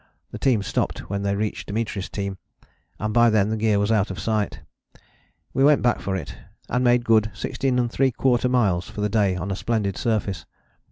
The team stopped when they reached Dimitri's team, and by then the gear was out of sight. We went back for it, and made good 16¾ miles for the day on a splendid surface.